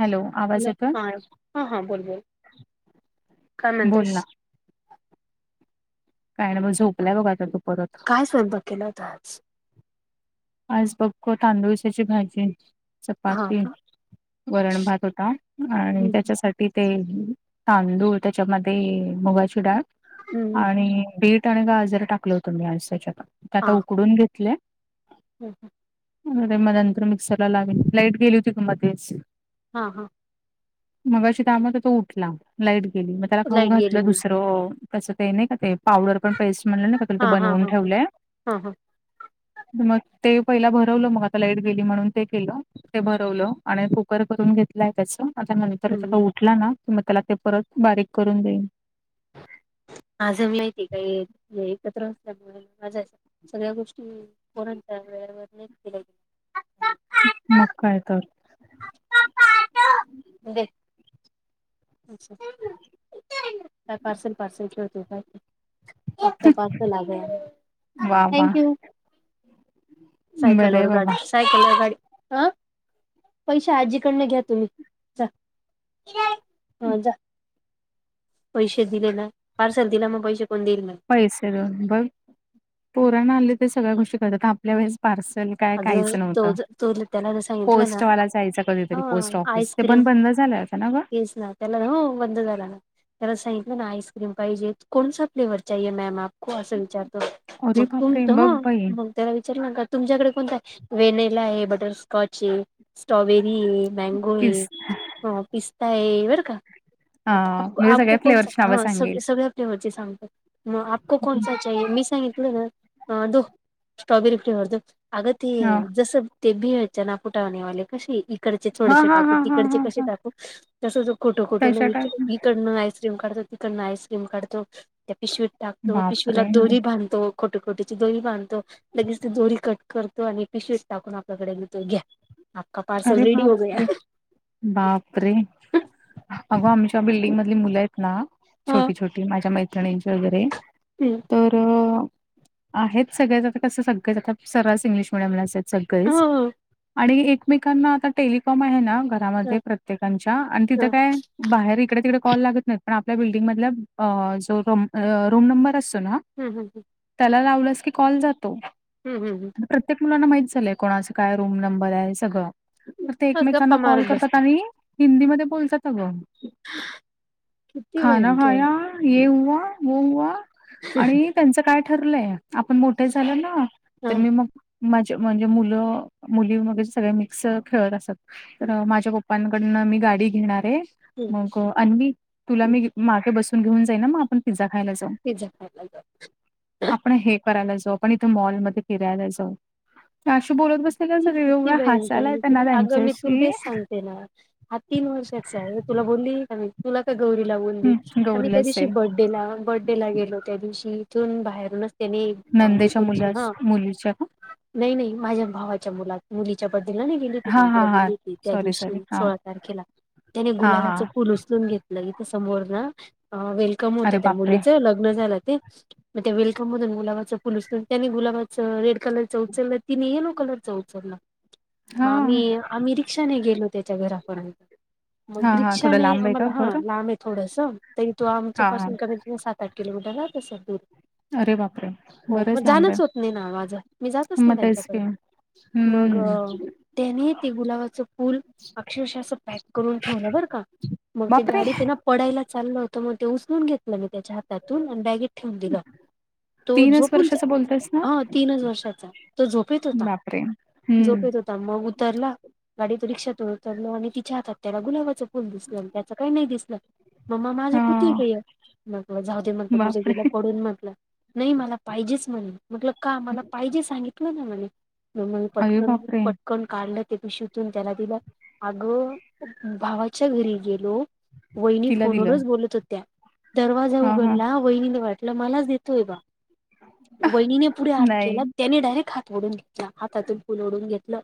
Hello आवाज hello येतोय? हा हा हा बोल बोल काय बोल म्हणतेस ना. काय नाय बग झोपलीया बघा आता तू परत काय स्वयंपाक केला होता आज? आज बखो तांदुळश्याची भाजी हा चपााती का वरण भात होता आणि हम्म त्याच्यासाठी ते तांदूळ त्याच्यामध्ये मुगाची डाळ हम्म हम्म आणि बीट बी आणि गाजर टाकलं होतं मी आज त्याच्यात ते आता हा उकडून घेतलय. [inaudible] आणि मग नंतर मिक्सरला लावीण लाईट गेली होती ग मध्येच. हा हां! मगाशी त्यामुळं तर तो उठला लाईट गेली मग त्याला खाऊ लाईट गेली घातलं म्हणून दुसरं तसं काही नाही का ते पावडर पण पेस्ट म्हणलं नाय का तुला हा हा बनवून हा ह ठेवलंय. हा हा मग ते पहिला भरवलं मग आता लाईट गेली म्हणून ते केलं. ते भरवलं आणि कुकर करून घेतलंय त्याचं. आता नंतर तो हम्म आता उठला ना तर मग त्याला ते परत बारीक करून देईन. आजम लय की काही एकत्र असल्यामुळे सगळ्या गोष्टी अश्या पोरांच्या वेळेवर नायत केल्या गेल्या मग काय तर! दे अच्छा काय पार्सल पार्सल खेळतो काय? आपका पार्सल आ गया वा वा थँक यू. सयकल बरं आहे वर बाबा गाडी सयकल गाडी, आ? पैशे आजीकडन घ्या तुम्ही जा ह जा. पैशे दिले ना पार्सल दिला मग पैसे कोण देईल पैसे देऊन पण पोराण आले ते सगळ्या गोष्टी कळतात आपल्या वेळेस पार्सल काय काहीच अगं तो नव्हत तो त्याला जर सांगितलं ना पोस्टवाला जायच हा कधीतरी पोस्ट ऑफिस ते आईस्क्रीम पण बंद झालंय आता आता ना ग? तेच ना त्याला ना हो बंद झाला ना त्याला सांगितलं ना आईस्क्रीम पाहिजे कोणसा फ्लेवर चाहीये मॅम आप को असं विचारतो मग अरे तुम बापरे त बघ बाई. मग त्याला विचार ना का तुमच्याकडे कोणता व्हनिला आहे बटरस्कॉच आहे स्ट्रॉबेरी आहे मँगो आहे. पीस हो पिस्ता आहे बर का. अ हा आपको म्हणजे आपको सगळ्या कोणसा फ्लेवरची नावं हा सग सांगेल. सगळ्या फ्लेवर ची सांगतो आपको कोणसा चाहिये? मी सांगितलं ना दो स्ट्रॉबेरी फ्लेवर तर तो अग ते हा जसं ते भेळच ना फुटाने वाले कशे इ इडचे हा थोडेसे हा टाकू हा हा तिकडचे हा कसे हा. टाकू तस तो खोट खोट त्याच्या नाही टाईप इकड आईस्क्रीम काढतो तिकडनं आईस्क्रीम काढतो त्या पिशवीत टकतो पिशवीला बापरे दोरी बांधतो. खोट खोटीची दोरी बांधतो लगेच ते दोरी कट करतो आणि पिशवी टाकून आपल्याकडे घेतो घ्या. आपका पार्सल अरे रेडी हो गया. बापरे! बापरे अगं आमच्या बिल्डिंग मधली मुलं आहेत ना हा छोटी छोटी माझ्या मैत्रिणींची वगैरे हम्म! तर आहेत सगळेच आता कसं सगळेच आता सर्रास इंग्लिश मिडियमलाचं येत. सगळेच हो आणि एकमेकांना आता टेलिकॉम आहे ना ह घरामध्ये प्रत्येकांच्या आणि तिथं ह काय बाहेर इकड तिकड कॉल लागत नाहीत. पण आपल्या बिल्डिंग मधला अ जो रूम रूम नंबर असतो ना हूं हूं हूं त्याला लावलंस की कॉल जातो. हूं हूं हूं प्रत्येक मुलांना माहित झालय कोणाचं काय रूम नंबर आहे सगळं हम्म तर ते बस गप्पा एकमेकांना कॉल मारत करतात बसतात आणि हिंदी मध्ये बोलतात अगं किती खाणा भयंकर खाया ये हुवा वो हुवा आणि त्यांचं काय ठरलंय आपण मोठे झालं ना हा तर मी मग माझ म्हणजे मुलं मुलीमध्ये सगळे मिक्स खेळत असतात तर माझ्या पप्पांकडनं मी गाडी घेणारे. हम्म मग आणि मी तुला हम्म. मी मागे बसून घेऊन जाईनं हं म आपण पिझ्झा खायला जाऊ. पिझ्झा खायला जाऊ. आपण हे करायला जाऊ आपण इथे मॉलमध्ये फिरायला जाऊ अशी बोलत बसले का सगळे एवढा अग मी तु तेेच सांगते ना हा तीन वर्षाचाय तुला बोलली का मी तुला का गौरी ला बोलली हं, आम्ही गौरीला त्या दिवशी असेल बर्डेला बड्डेला गेलो त्या दिवशी इथून बाहेरूनच त्यानी गाडी नंदेच्या करूस मुला ना मुलीच्या का हा नही नही माझ्या भावाच्या मुलात मुलीच्या बड्डेला नई. गेली होती की हा मी हा तुला हा बोलली होती त्या सॉरी सॉरी दिवशी हा सोळा तारखेला त्याने हा हा गुलाबाच फुल उचलून घेत म्हटलं इथ समोर ना वेलकम होत अरे त्या बापरे! मुलीच लग्न झालं ते मग त्या वेल्कम मधून गुलाबाचं फुल उचलून त्यानी गुलाबाच रेड कलरच उचललं तिनि यलो कलरच उचलला म आम्ही हां, आम्ही रिक्षाने गेलो त्याच्या घरापर्यंत मग हां, हां. थोडं रिक्षाने लांब आहे का आम्हाला हा घर? लांब ये थोडस त इथून आमच्या हां. हां. पाासून कमीत कमी सात आठ किलोमीटर राहत असलं दूर अरे बापरे! हो म बरंच लांब आहे. जाणच होत नाही ना माझं मी जातच नाही मग तेच की. त्यांच्याकड मग हं. त्याने ते गुलाबाचं फूल अक्षरशा असं पॅक करून ठेवलं बरं का म ते बापरे! गाडी ये ना पडायला चाललं होत म ते उचलून घेतलं मी त्याच्या हात तातून अनं बॅगेत ठेवून दिलं. तो झोपून जाय वर्षाचं बोलतेस ना? हा तीनच वर्षाचा तो झोपेत होता बापरे! हं. झोपेत होत म उतरला गाडी तुन रिक्षातून उतरल आणि तिच्या हातात त्याला गुलाबाच फु फुल दिसलं आणि त्याचं काय नाही दिसलं. मम्मा माझं कुठेय हां. गं हे मग जाऊ दे म्हंटल तुझं गेलं बापरे! पडून म्हंटल. नही मला पाहिजेच म्हणे म्हटलं का मला पाहिजे सांगितलं ना म्हणे म मंग अरे पटकन बापरे! पट कण काढलं ते पिशवीतून त्याला दिलं अग भावाच्या घरी गेलो. वहिनी तिला दिलं. फोनवरच बोलत होत्या, दरवाजा हां, हां. उघडला वहिणीने वाटलं मलाच देतोय बा वहिनीने पुढे हात नाही केला त्यानी डायरेक्ट हात ओढून घेतला हातातून फूल ओढून घेतलं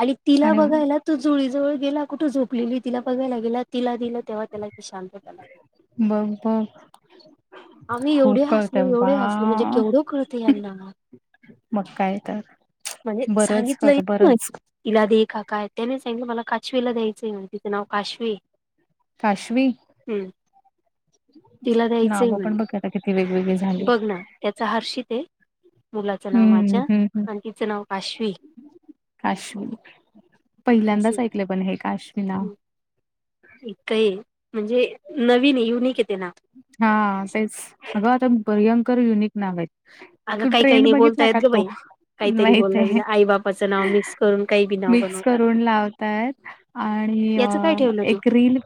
आणि तिला बघायला तू झोळीजवळ गेला कुठं झोपलेली तिला बघायला गेला तिला दिलं तेव्हा त्याला ती शांतता लागली. मंग बघ आम्ही एवढे खूप हासलो कळतंय एवढे हासलो म्हणजे वाह! केवढं कळतंय यांना म मग काय तर. म्हणजे बरंच सांगितलंय कळतं नाय बरंच. हिला दे का काय त्याने सांगितलं मला काशवीला द्यायचं य म्हणे तिचं नाव काशवीये. काशवी हम्म तिला द्यायचंय नाव म्हणे. पण बघ आता किती वेगवेगळी झा बघ ना त्याचं हर्षित आहे मुलाचं नाव हं, माझ्या हं, हं. आणि तिचं नाव काशवी काशवी. पहिल्यांदाच असे ऐकलं पण हे काशवी नाव एक काय म्हणजे नवीन युनिक आहे ते नाव हा तेच अगं आता भयंकर युनिक नाव आहेत. अगं तू काही काही ट्रेंड नाही बोलता बघितला येत का ग तो बाई. काहीतरी माहित बोलला आहे गेला आई बापाचं नाव मिक्स करून काही बी नाव मिक्स बनवतात करून लावतायत आणि याचं काय ठेवलं तू एक रील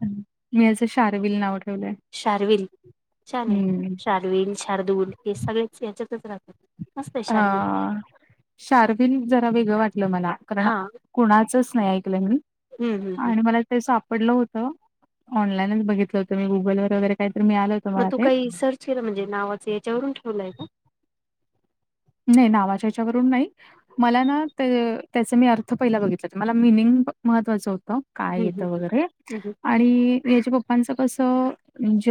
मी याचं शार्विल नाव ठेवलंय. शार्विल छान आहे, हं. शार्विल शार्दूूल हे सगळेच याच्यातच राहतात मस्त आहे अ शार्विल शार्विल जरा वेगळं वाटलं मला कारण हा कुणाचच नाही ऐकलं मी हम्म हम्म हम्म आणि मला ते सापडलं होत ऑनलाईनच बघितलं होतं मी गुगल व वगैरे काही तर मिळालं होतं मग मला तू ते. काही सर्च केलं म्हणजे नावाचं याच्यावरून ठेवलंय का? नाही नावाच्या याच्यावरून नाही. मला ना त्याचा मी अर्थ पहिला बघितला हो मला मिनिंग महत्वाचं होतं. काय हम्म येतं वगैरे हम्म आणि याच्या पप्पांचं कसं ज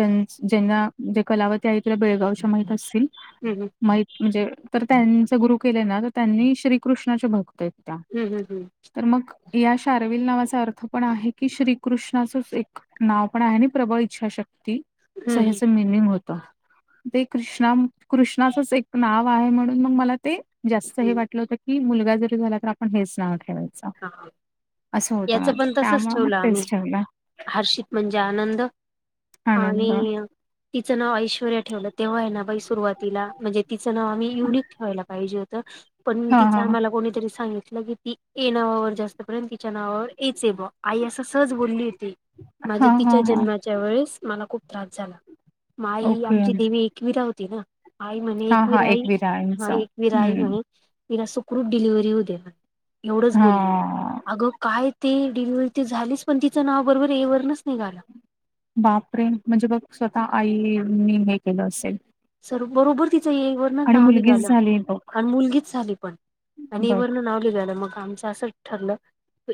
ज्यांना म्हणजे कलावती आहे तुला बेळगावच्या माहीत असतील हम्म माहीत म्हणजे तर त्यांचे गुरु केले ना तर त्यांनी श्रीकृष्णाच्या भक्त आहेत त्या हम् हम् हम् तर मग या शर्विल नावाचा अर्थ पण आहे की श्रीकृष्णाचच एक नाव पण आहे ना प्रबळ इच्छाशक्ती असं हम्म हम्म ह्याच मिनिंग होत ते कृष्णा कृष्णाचंच एक नाव आहे म्हणून मग मला ते जास्त हे हम्म. वाटलं होत की मुलगा जरी झाला तर आपण हेच नाव ठेवायच. हा, हा. असं होतं याचं माझं पण तसच त्यामळे मग ठेवलं आम्ही तेच ठेवलं. हर्षित म्हणजे आनंद आनंद आणि तिचं नाव ऐश्वरया ठेवलं तेव्हा आहे ना बाई सुरुवातीला म्हणजे तिचं नाव आम्ही युनिक ठेवायला पाहिजे होत पण हा तिच हा आम्हाला कोणीतरी सांगितलं की ती ए नावावर जास्त प्रेम तिच्या नावावर एच आहे मग आई असं सहज बोलली होती. हा माझ्या हा तिच्या हा जन्माच्या वेळेस मला खूप त्रास झाला माई ओके आमची देवी एकवीरा होती ना आई म्हणे हा हा एकवीरई हा एकविरायांचं एकवीरा आई हम्म म्हणे तिला सुखरूप डिलिव्हरी होऊ दे्या एवढंच बोलली हा अगं काय ते डिलिव्हरी ते झालीच पण तिचं नाव बरोबर ए वरुनच निघालं. बापरे म्हणजे बघ स्वतः आईनी हे केलं असेल सर बरोबर तिचं ए वर आणि नाव मुलगीच निघालं झाली बघ आणि मुलगीच झाली पण आणि ए बघ वरण नाव निघालं मग आमच असं ठरलं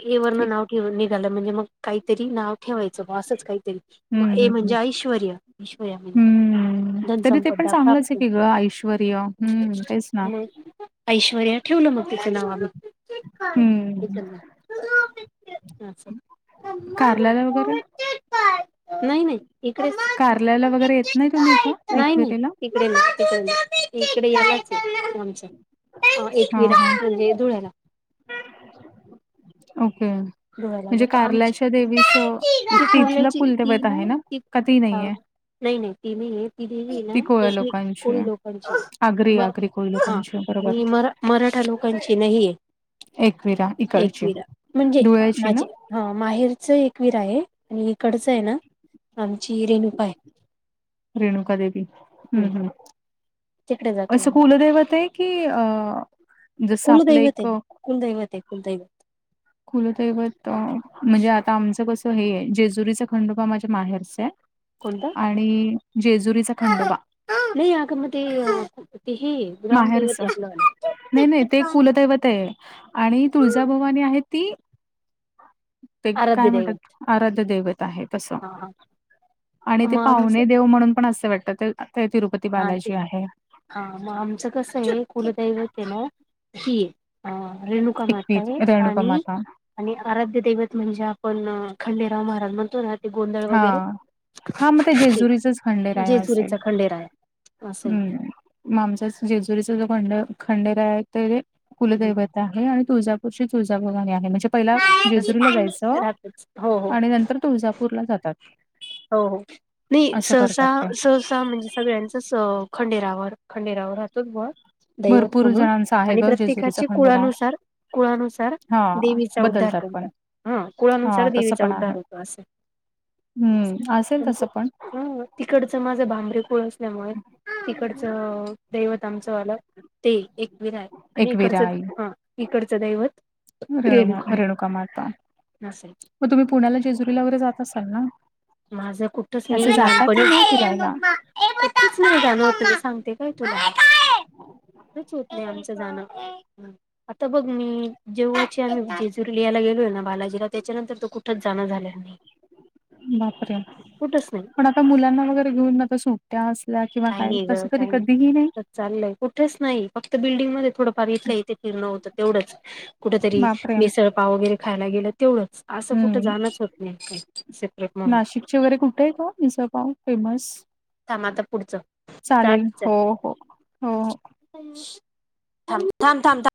ए वरन नाव ठेव निघालं म्हणजे मग काहीतरी नाव ठेवायचं मग असंच काहीतरी हम्म हम्म म्हणजे ऐश्वरय ऐश्वरय म्हणजे हम्म तरी धनसप ते पण चांगलंच आहे की ग ऐश्वरय हम् तेच ना ऐश्वर्या ठेवलं मग तिच नाव आम्ही हम्म एक च कारल्याला वगैरे नाही नाही इकडे कारल्याला वगैरे येत नाही तुम्ही इथं नाही नाही एकविरेला? तिकडे तडे इकडे यालाच आमच्या हा एकवीरा हा म्हणजे धुळ्याला ओके धुळ्याला म्हणजे जातो आमची कार्लाच्या देवीच ती तिथलं कुर्ल्याची कुलदेवत आहे ना का ती नाहीये नाहीय नाही ती नाही देवी आहे ती कोळ्या ना लोकांची आहे. कुललोकांची आहे आगरी आगरी को लकां बरोबर मी मराठा लोकांची नाही एकविरा इकडची एकविरा म्हणजे डुळ्याची ना माझे हा माहेरच एकवीर आहे आणि इकडचं आहे ना आमची रेणुका आहे रेणुका देवी हम्म हम्. तिकडे जातो असं आम्ही कुलदेवते आहे की अ जसं आपलं कुलदैवते एक कुलदैवते कुलदैवते. खुलतैवत म्हणजे आता आमचं कसं हेय जेजुरीचा खंडोबा माझ्या माहेरचा आहे. कोणता आणि जेजुरीचा खंडोबा नाही आगम ते क ति माहेरच नाही नाही ते कुलदैवत आहे. आणि तुळजाभवानी आहे ती. ते काय आराध्य दैवत म्हणतात आराध्य देैवत. तस हा हा आणि ते मग आमचं पाहणे देव म्हणून पण असे वाटत तिरुपती हा ते बालाजी आहे हा मग आमचं कसं आहे कुलदैवत आहे ना ही. ह रेणुका माताय एकवीर रेणुका आणि माता आणि आराध्य दैवत म्हणजे आपण खंडेराव महाराज म्हणतो ना. ते गोंधळ हा वगैरे हा मग ते जेजुरीचाच खंडेराया असेल. जेजुरीचा खंडेराय असं आहे ते. हम्म मग आमचा जेजुरीचा जो खंड खंडेर आहे. कुलदैवता आहे आणि तुळजापूरची तुळजाभगाणी आहे म्हणजे पहिला जेजुरीला जायचं राहतच हो हो आणि नंतर तुळजापूरला जातात. हो हो नाही असं सहसा करतात ते सहसा म्हणजे सगळ्यांचच खंडेरावर खंडेरावर हातोच ब दैवत भरपूर म्हणून जणांचं आहे आणि ग जेजुरीचा प्रत्येकाचे खंडोबा कुळानुसार कुळानुसार हां, देवीचा उद्धार बदलतात पण. करतात हा कुळानुसार हां, तसं देवीचा पण आहे. उद्धार होतो असे हं, असेल आमचे तसं पण. हां. तिकडचं माझं भांबरे कुळ असल्यामुळे तिकडचं. दैवत आमचं आलं ते एकविर आहे आणि एकविरा इकडचं हा इकडचं दैवत रेणु रेणुका मात्ता असं मग तुम्ही पुण्याला जेजुरीला वगैरे जात असाल ना. माझं कुठच नाही असं जाता लहानपणी की नाही फिरायला? च नाही त्या म तला सांगते काय तुला च होत नाही आमचं जाणं आता बघ मी जेव्हाची आम्ही जेजूरी लिहाला गेलोय ना बालाजीला त्याच्यानंतर तो कुठंच जाणं झाल्या नाही. बापर कुठंच नाही पण आता मुलांना वगैरे घेऊन आता सुट्ट्या असल्या किंवा काय तस तरी कधीही नाही चालय कुठेच नाही फक्त बल्डिंग म थडंफारथलंय इथे फिरणं होतं. तेवढंच कुठ तरी बापरे! मिसळपाव वगैरे खायला गेलं. तेवढंच असं कुठं हं. जाणंच होत नाही काही सेपरेट म्हणून नाशिकचे वरे कुठे आहे का निझं पाव फेमस. थांमाता पुढचं. चालेल हो हो हो हो. थांब थांब.